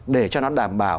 để cho nó đảm bảo